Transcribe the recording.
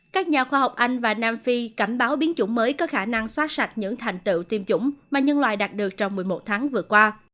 các nhà khoa học anh và nam phi cảnh báo biến chủng mới có khả năng soát sạch những thành tựu tiêm chủng mà nhân loại đạt được trong một mươi một tháng vừa qua